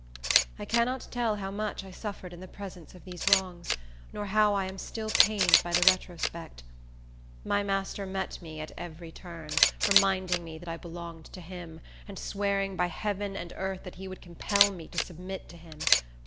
I cannot tell how much I suffered in the presence of these wrongs, nor how I am still pained by the retrospect. My master met me at every turn, reminding me that I belonged to him, and swearing by heaven and earth that he would compel me to submit to him.